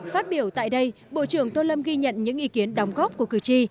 phát biểu tại đây bộ trưởng tô lâm ghi nhận những ý kiến đóng góp của cử tri